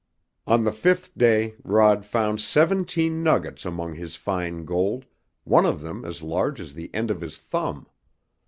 On the fifth day Rod found seventeen nuggets among his fine gold, one of them as large as the end of his thumb.